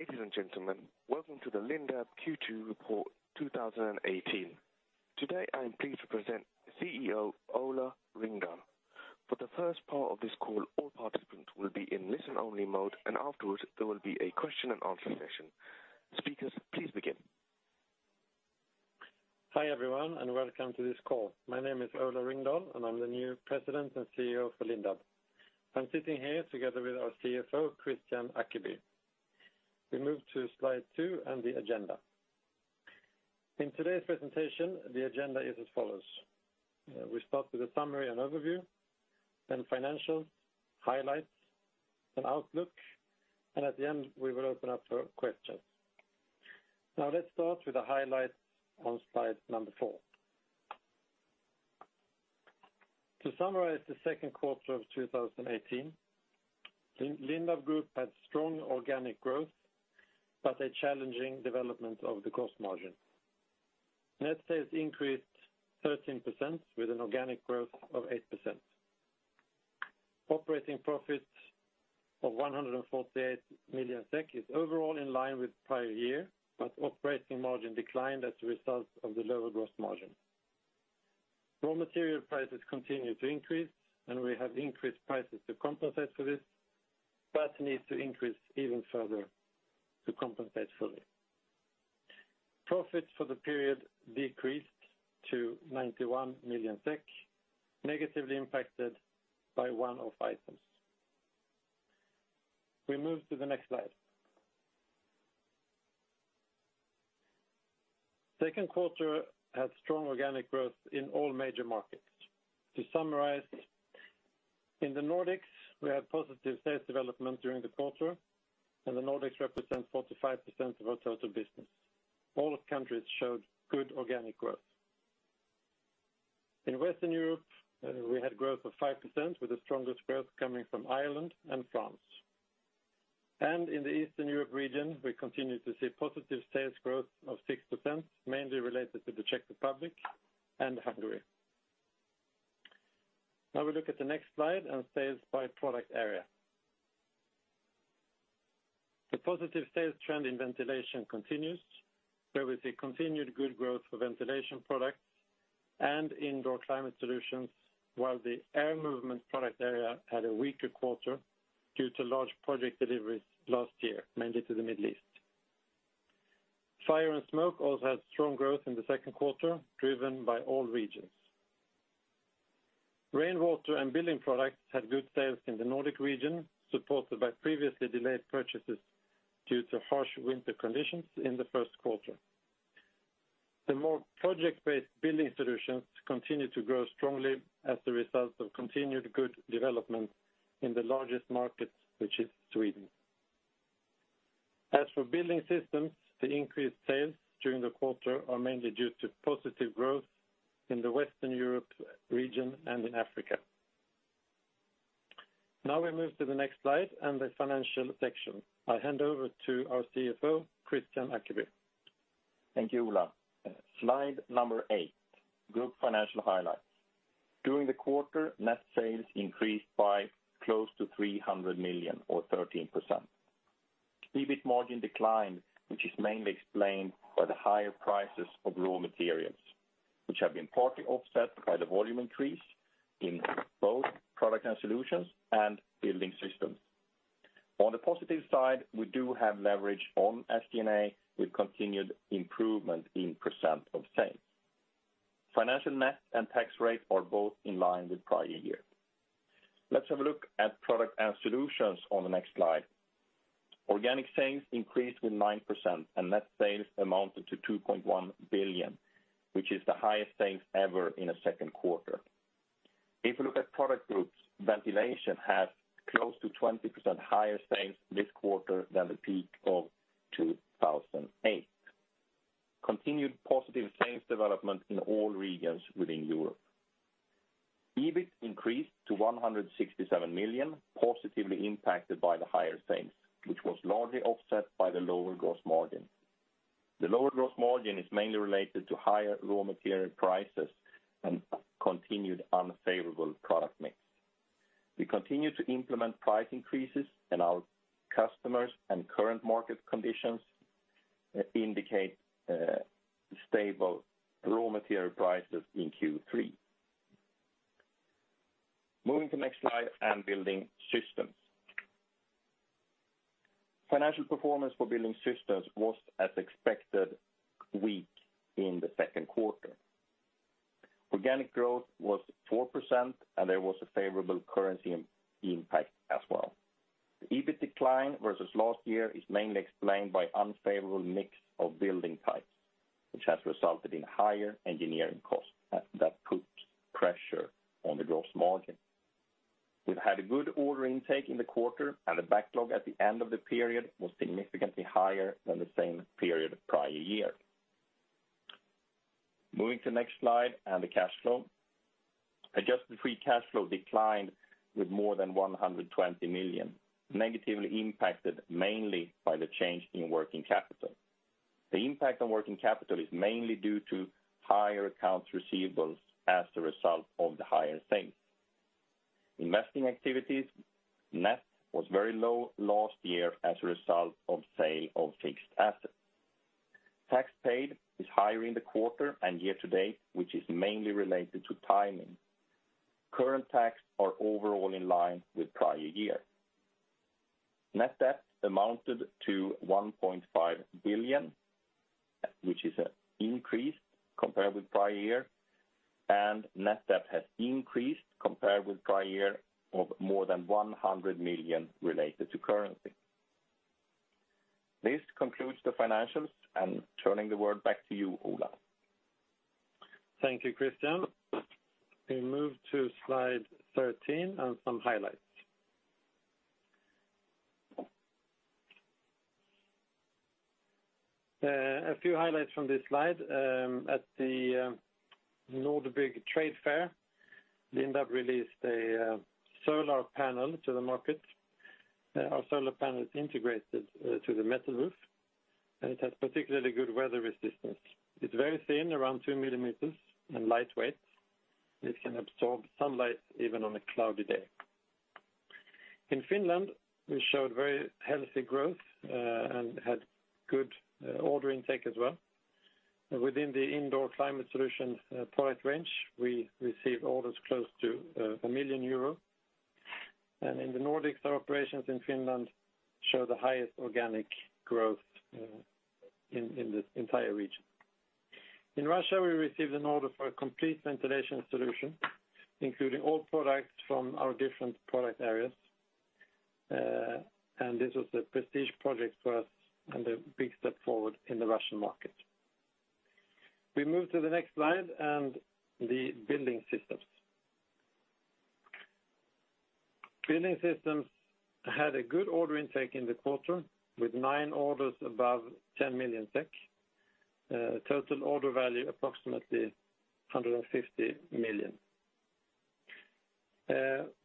Ladies and gentlemen, welcome to the Lindab Q2 Report 2018. Today, I am pleased to present CEO, Ola Ringdahl. For the first part of this call, all participants will be in listen-only mode. Afterwards, there will be a question and answer session. Speakers, please begin. Hi, everyone, and welcome to this call. My name is Ola Ringdahl, and I'm the new President and CEO for Lindab. I'm sitting here together with our CFO, Kristian Ackeby. We move to Slide two and the agenda. In today's presentation, the agenda is as follows: We start with a summary and overview, then financials, highlights, and outlook, and at the end, we will open up for questions. Now, let's start with the highlights on slide number four. To summarize, the second quarter of 2018, Lindab Group had strong organic growth, but a challenging development of the cost margin. Net sales increased 13% with an organic growth of 8%. Operating profits of 148 million SEK is overall in line with prior year, but operating margin declined as a result of the lower growth margin. Raw material prices continue to increase, and we have increased prices to compensate for this, but need to increase even further to compensate fully. Profits for the period decreased to 91 million SEK, negatively impacted by one-off items. We move to the next slide. Second quarter had strong organic growth in all major markets. To summarize, in the Nordics, we had positive sales development during the quarter, and the Nordics represents 45% of our total business. All countries showed good organic growth. In Western Europe, we had growth of 5%, with the strongest growth coming from Ireland and France. In the Eastern Europe region, we continue to see positive sales growth of 6%, mainly related to the Czech Republic and Hungary. Now, we look at the next slide on sales by product area. The positive sales trend in ventilation continues, where we see continued good growth for ventilation products and indoor climate solutions, while the Air Movement product area had a weaker quarter due to large project deliveries last year, mainly to the Middle East. Fire and smoke also had strong growth in the second quarter, driven by all regions. Rainwater and Building Products had good sales in the Nordic region, supported by previously delayed purchases due to harsh winter conditions in the first quarter. The more project-based Building Solutions continue to grow strongly as a result of continued good development in the largest market, which is Sweden. As for Building Systems, the increased sales during the quarter are mainly due to positive growth in the Western Europe region and in Africa. Now, we move to the next slide and the financial section. I hand over to our CFO, Kristian Ackeby. Thank you, Ola. Slide number eight, group financial highlights. During the quarter, net sales increased by close to 300 million or 13%. EBIT margin declined, which is mainly explained by the higher prices of raw materials, which have been partly offset by the volume increase in both Products & Solutions & Building Systems. On the positive side, we do have leverage on SG&A with continued improvement in percent of sales. Financial net and tax rate are both in line with prior year. Let's have a look at Products & Solutions on the next slide. Organic sales increased with 9%, net sales amounted to 2.1 billion, which is the highest sales ever in a second quarter. If you look at product groups, ventilation has close to 20% higher sales this quarter than the peak of 2008. Continued positive sales development in all regions within Europe. EBIT increased to 167 million, positively impacted by the higher sales, which was largely offset by the lower gross margin. The lower gross margin is mainly related to higher raw material prices and continued unfavorable product mix. We continue to implement price increases, and our customers and current market conditions indicate stable raw material prices in Q3. Moving to next slide and Building Systems. Financial performance for Building Systems was, as expected, weak in the second quarter. Organic growth was 4%, and there was a favorable currency impact as well. The EBIT decline versus last year is mainly explained by unfavorable mix of building types, which has resulted in higher engineering costs that put pressure on the gross margin. We've had a good order intake in the quarter, and the backlog at the end of the period was significantly higher than the same period prior year. Moving to the next slide and the cash flow. Adjusted free cash flow declined with more than 120 million, negatively impacted mainly by the change in working capital. The impact on working capital is mainly due to higher accounts receivables as a result of the higher sales. Investing activities, net was very low last year as a result of sale of fixed assets. Tax paid is higher in the quarter and year-to-date, which is mainly related to timing. Current tax are overall in line with prior year. Net debt amounted to 1.5 billion, which is an increase compared with prior year, and net debt has increased compared with prior year of more than 100 million related to currency. This concludes the financials, and turning the word back to you, Ola. Thank you, Kristian. We move to Slide 13 and some highlights. A few highlights from this slide, at the Nordbygg Trade Fair, Lindab released a solar panel to the market. Our solar panel is integrated to the metal roof, and it has particularly good weather resistance. It's very thin, around 2 mm, and lightweight. It can absorb sunlight even on a cloudy day. In Finland, we showed very healthy growth and had good order intake as well. Within the indoor climate solution product range, we received orders close to 1 million euros. In the Nordics, our operations in Finland show the highest organic growth in the entire region. In Russia, we received an order for a complete ventilation solution, including all products from our different product areas. This was a prestige project for us and a big step forward in the Russian market. We move to the next slide. The Building Systems. Building Systems had a good order intake in the quarter, with nine orders above 10 million SEK, total order value, approximately 150 million.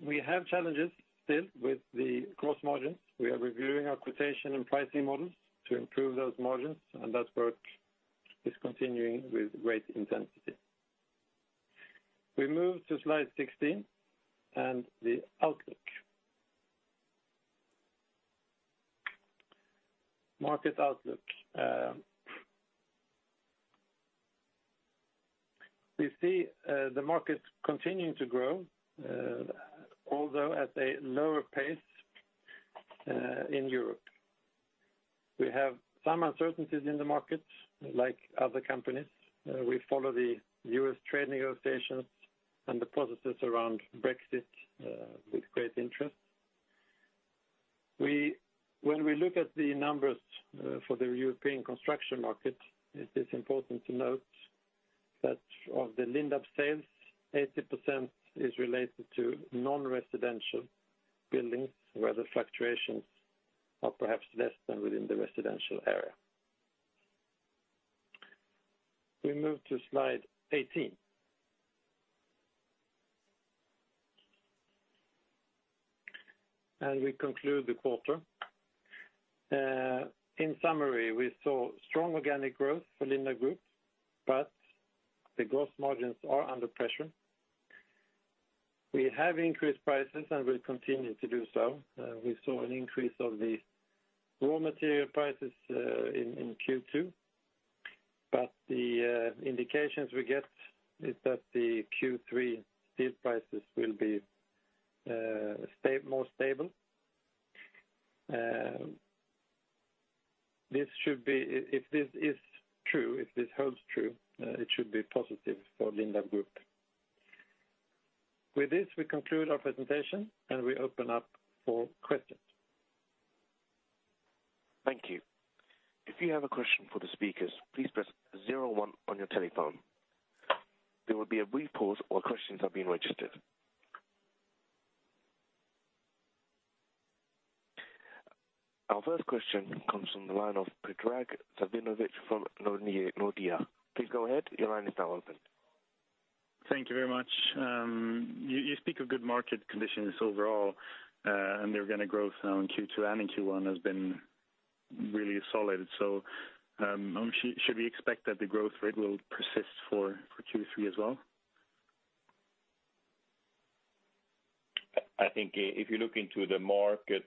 We have challenges still with the gross margins. We are reviewing our quotation and pricing models to improve those margins. That work is continuing with great intensity. We move to Slide 16. The outlook. Market outlook. We see the market continuing to grow, although at a lower pace in Europe. We have some uncertainties in the market, like other companies. We follow the U.S. trade negotiations and the processes around Brexit with great interest. When we look at the numbers for the European construction market, it is important to note that of the Lindab sales, 80% is related to non-residential buildings, where the fluctuations are perhaps less than within the residential area. We move to Slide 18. We conclude the quarter. In summary, we saw strong organic growth for Lindab Group, but the growth margins are under pressure. We have increased prices and will continue to do so. We saw an increase of the raw material prices in Q2, but the indications we get is that the Q3 steel prices will be more stable. This should be if this is true, if this holds true, it should be positive for Lindab Group. With this, we conclude our presentation, and we open up for questions. Thank you. If you have a question for the speakers, please press zero one on your telephone. There will be a brief pause while questions are being registered. Our first question comes from the line of Predrag Savinovic from Nordea. Please go ahead. Your line is now open. Thank you very much. You speak of good market conditions overall, and they're going to growth now, and Q2 and in Q1 has been really solid. Should we expect that the growth rate will persist for Q3 as well? I think if you look into the market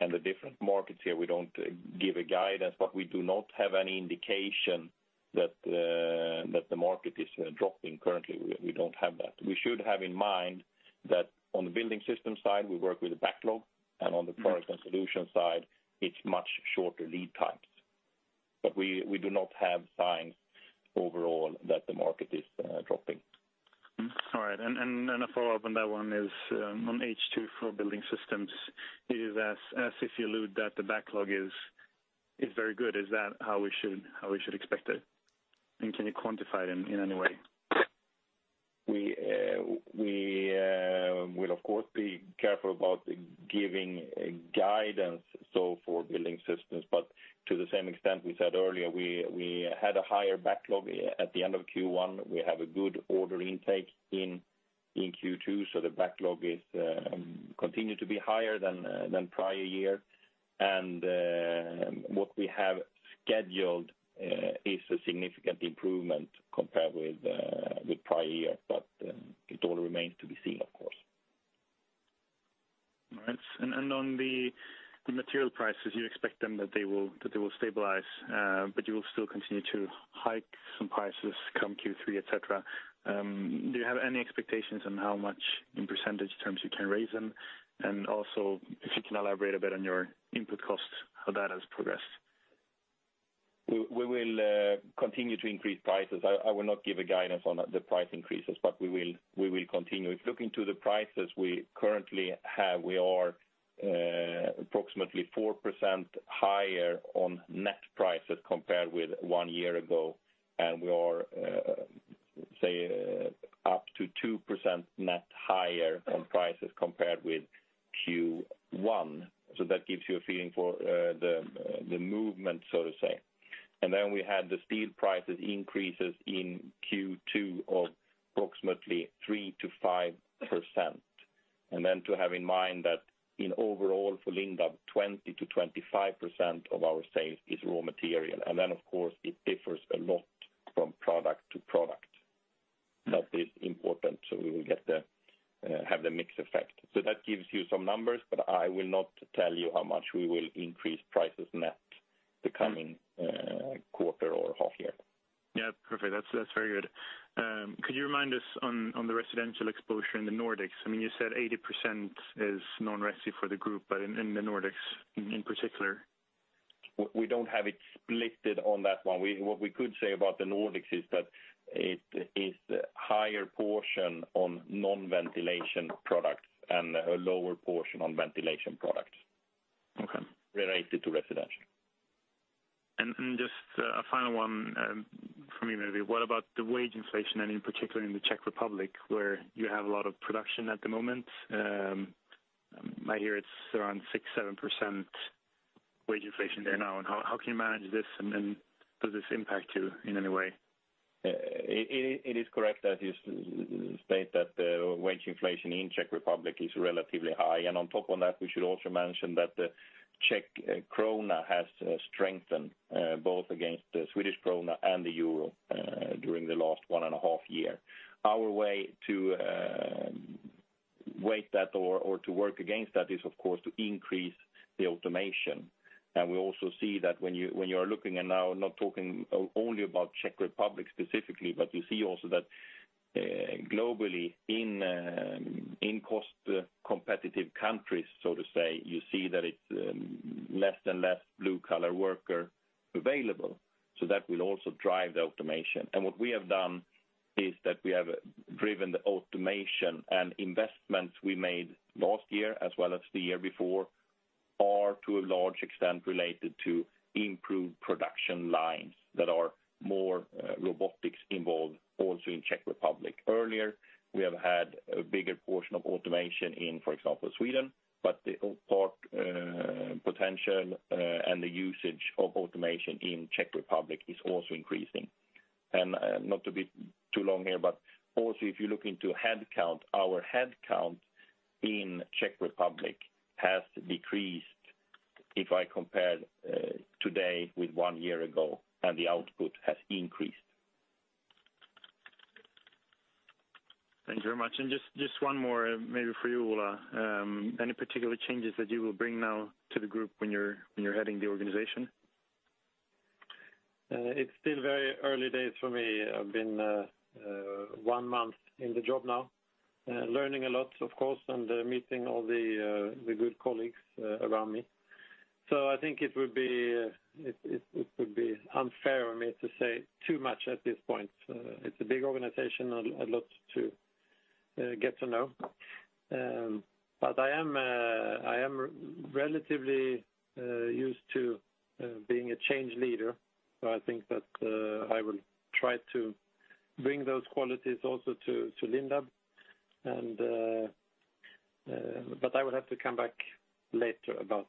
and the different markets here, we don't give a guidance. We do not have any indication that the market is dropping currently. We don't have that. We should have in mind that on the Building System side, we work with a backlog, and on the Product and Solution side, it's much shorter lead times. We do not have signs overall that the market is dropping. All right, a follow-up on that one is, on H2 for Building Systems, is as if you allude that the backlog is very good, is that how we should expect it? Can you quantify it in any way? We will of course, be careful about giving guidance. For Building Systems, to the same extent we said earlier, we had a higher backlog at the end of Q1. We have a good order intake in Q2. The backlog is continue to be higher than prior year. What we have scheduled is a significant improvement compared with prior year. It all remains to be seen, of course. All right. On the material prices, you expect them that they will stabilize, but you will still continue to hike some prices come Q3, et cetera. Do you have any expectations on how much, in percentage terms, you can raise them? Also, if you can elaborate a bit on your input costs, how that has progressed. We will continue to increase prices. I will not give a guidance on the price increases, we will continue. If looking to the prices we currently have, we are approximately 4% higher on net prices compared with one year ago, we are say up to 2% net higher on prices compared with Q1. That gives you a feeling for the movement, so to say. We had the steel prices increases in Q2 of approximately 3%-5%. To have in mind that in overall for Lindab, 20%-25% of our sales is raw material. Of course, it differs a lot from product to product. That is important, we will have the mix effect. That gives you some numbers, but I will not tell you how much we will increase prices net the coming quarter or half year. Perfect. That's very good. Could you remind us on the residential exposure in the Nordics? I mean, you said 80% is non-resi for the group, but in the Nordics in particular? We don't have it split on that one. What we could say about the Nordics is that it is higher portion on non-ventilation products and a lower portion on ventilation products. Okay. Related to residential. Just a final one from me, maybe. What about the wage inflation, in particular in the Czech Republic, where you have a lot of production at the moment? I hear it's around 6%, 7% wage inflation there now. How can you manage this? Does this impact you in any way? It is correct, as you state, that the wage inflation in Czech Republic is relatively high. On top of that, we should also mention that the Czech koruna has strengthened, both against the Swedish krona and the euro, during the last one and a half year. Our way to weight that or to work against that is, of course, to increase the automation. We also see that when you are looking, and now I'm not talking only about Czech Republic specifically, but you see also that, globally, in cost competitive countries, so to say, you see that it's less and less blue-collar worker available, so that will also drive the automation. What we have done is that we have driven the automation, and investments we made last year as well as the year before, are, to a large extent, related to improved production lines that are more robotics involved also in Czech Republic. Earlier, we have had a bigger portion of automation in, for example, Sweden, but the part potential and the usage of automation in Czech Republic is also increasing. Not to be too long here, but also if you look into headcount, our headcount in Czech Republic has decreased if I compare today with one year ago, and the output has increased. Thank you very much. Just one more, maybe for you, Ola. Any particular changes that you will bring now to the group when you're heading the organization? It's still very early days for me. I've been one month in the job now, learning a lot, of course, and meeting all the good colleagues around me. I think it would be unfair of me to say too much at this point. It's a big organization and a lot to get to know. I am relatively used to being a change leader, so I think that I will try to bring those qualities also to Lindab. I will have to come back later about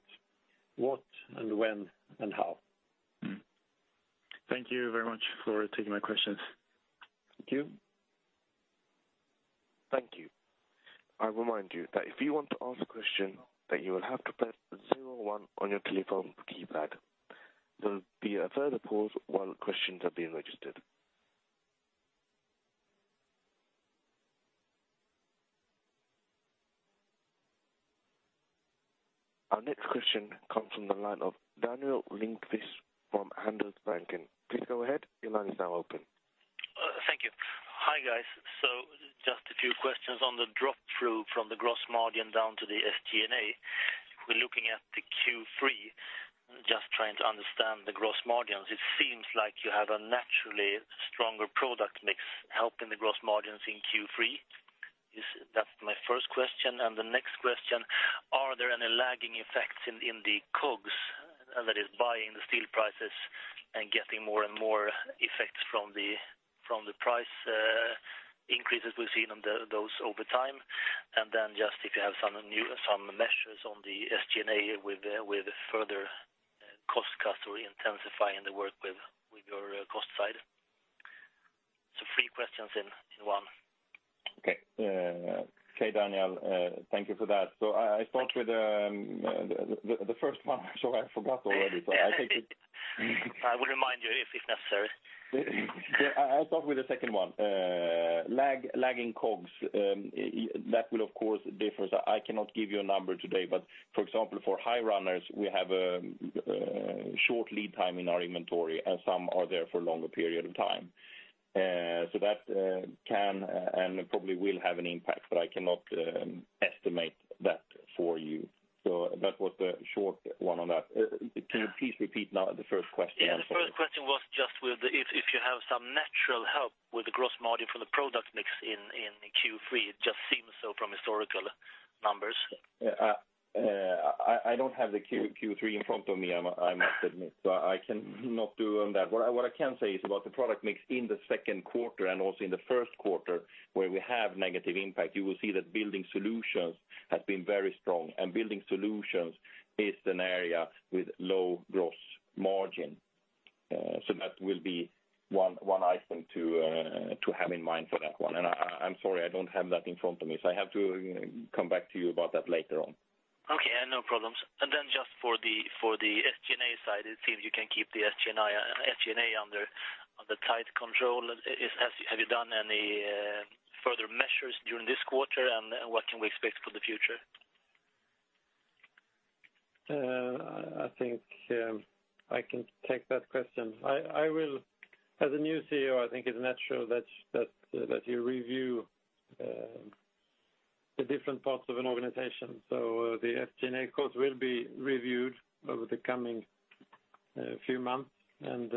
what and when and how. Thank you very much for taking my questions. Thank you. Thank you. I remind you that if you want to ask a question, that you will have to press zero one on your telephone keypad. There will be a further pause while questions are being registered. Our next question comes from the line of Daniel Lindkvist from Handelsbanken. Please go ahead, your line is now open. Thank you. Hi, guys. Just a few questions on the drop-through from the gross margin down to the SG&A. We're looking at the Q3, just trying to understand the gross margins. It seems like you have a naturally stronger product mix helping the gross margins in Q3. That's my first question. The next question, are there any lagging effects in the COGS, that is, buying the steel prices and getting more and more effects from the price increases we've seen on those over time? Just if you have some new, some measures on the SG&A with further cost cuts or intensifying the work with your cost side? Okay, okay, Daniel Lindkvist, thank you for that. I start with the first one, so I forgot already, so I take it. I will remind you if necessary. Yeah, I'll start with the second one. Lagging COGS, that will of course differ, so I cannot give you a number today, but for example, for high runners, we have a short lead time in our inventory, and some are there for a longer period of time. So that can and probably will have an impact, but I cannot estimate that for you. That was the short one on that. Can you please repeat now the first question? Yeah, the first question was just with if you have some natural help with the gross margin from the product mix in Q3, it just seems so from historical numbers. I don't have the Q3 in front of me, I must admit, I cannot do on that. What I can say is about the product mix in the second quarter and also in the first quarter, where we have negative impact, you will see that Building Solutions have been very strong. Building Solutions is an area with low gross margin. That will be one item to have in mind for that one. I'm sorry, I don't have that in front of me, I have to come back to you about that later on. Okay, no problems. Just for the SG&A side, it seems you can keep the SG&A under tight control. Have you done any further measures during this quarter, and what can we expect for the future? I think I can take that question. As a new CEO, I think it's natural that you review the different parts of an organization. The SG&A costs will be reviewed over the coming few months and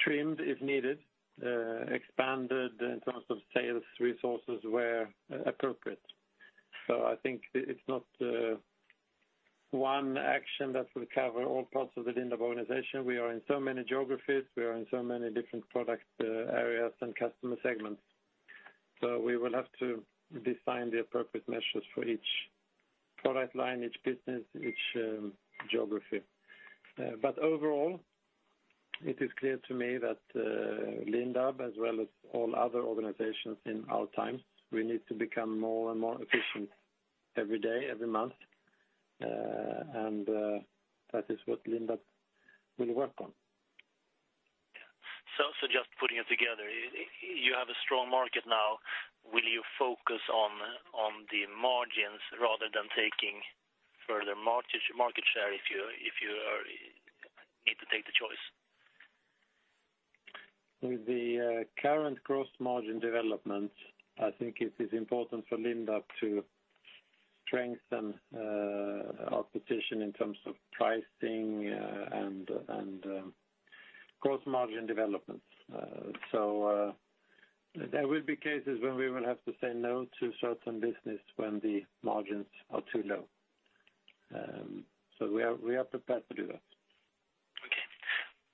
trimmed if needed, expanded in terms of sales resources where appropriate. I think it's not one action that will cover all parts of the Lindab organization. We are in so many geographies, we are in so many different product areas and customer segments. We will have to design the appropriate measures for each product line, each business, each geography. Overall, it is clear to me that Lindab, as well as all other organizations in our times, we need to become more and more efficient every day, every month, and that is what Lindab will work on. Yeah. Just putting it together, you have a strong market now. Will you focus on the margins rather than taking further market share if you need to take the choice? With the current gross margin development, I think it is important for Lindab to strengthen our position in terms of pricing, and gross margin developments. There will be cases when we will have to say no to certain business when the margins are too low. We are prepared to do that. Okay.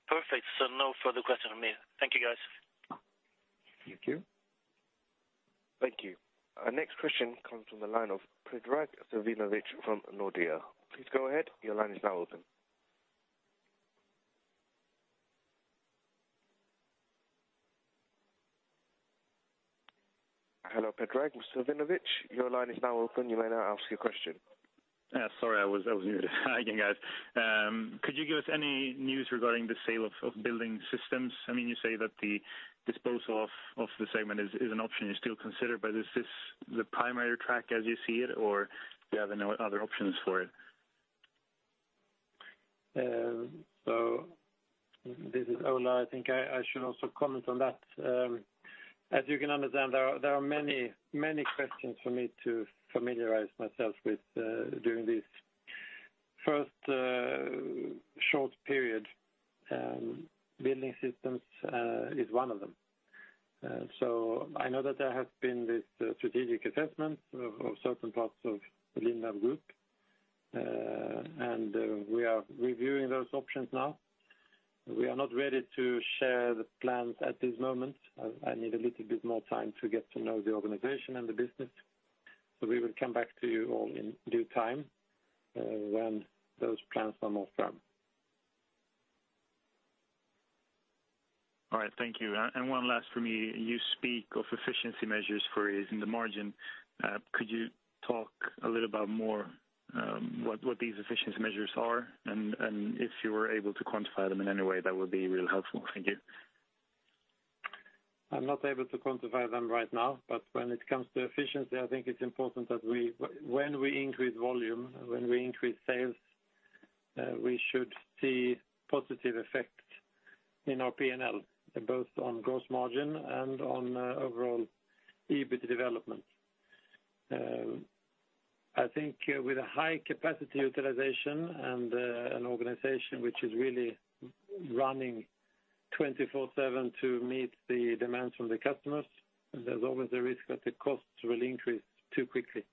Perfect. No further question from me. Thank you, guys. Thank you. Thank you. Our next question comes from the line of Predrag Savinovic from Nordea. Please go ahead. Your line is now open. Hello, Predrag Savinovic. Your line is now open. You may now ask your question. sorry, I was muted. Hi, again, guys. Could you give us any news regarding the sale of Building Systems? I mean, you say that the disposal of the segment is an option you still consider, but is this the primary track as you see it, or do you have any other options for it? This is Ola. I think I should also comment on that. As you can understand, there are many, many questions for me to familiarize myself with during this first short period, Building Systems is one of them. I know that there has been this strategic assessment of certain parts of the Lindab Group, and we are reviewing those options now. We are not ready to share the plans at this moment. I need a little bit more time to get to know the organization and the business, we will come back to you all in due time when those plans are more firm. All right. Thank you. One last from me: You speak of efficiency measures for raising the margin. Could you talk a little about more, what these efficiency measures are? If you were able to quantify them in any way, that would be really helpful. Thank you. I'm not able to quantify them right now, but when it comes to efficiency, I think it's important that we, when we increase volume, when we increase sales, we should see positive effect in our P&L, both on gross margin and on overall EBIT development. I think with a high capacity utilization and an organization which is really running 24/7 to meet the demands from the customers, there's always a risk that the costs will increase too quickly.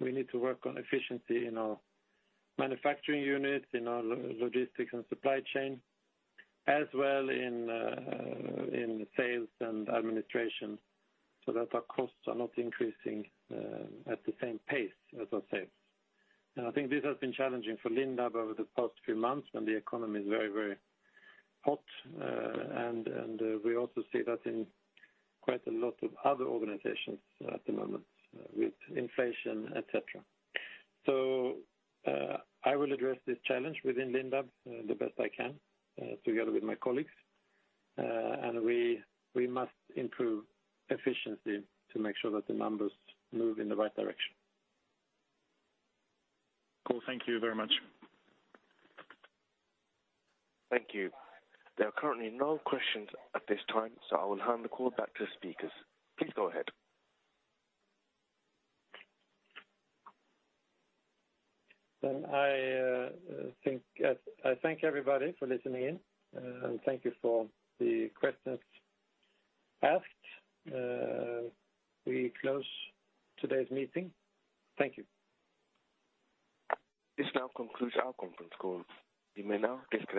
We need to work on efficiency in our manufacturing units, in our logistics and supply chain, as well in sales and administration, so that our costs are not increasing at the same pace as our sales. I think this has been challenging for Lindab over the past few months, when the economy is very, very hot, we also see that in quite a lot of other organizations at the moment with inflation, et cetera. I will address this challenge within Lindab the best I can, together with my colleagues, and we must improve efficiency to make sure that the numbers move in the right direction. Cool. Thank you very much. Thank you. There are currently no questions at this time. I will hand the call back to the speakers. Please go ahead. I think, I thank everybody for listening in, and thank you for the questions asked. We close today's meeting. Thank you. This now concludes our conference call. You may now disconnect.